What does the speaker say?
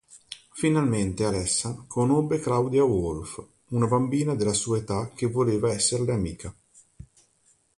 Finalmente Alessa conobbe Claudia Wolf, una bambina della sua età che voleva esserle amica.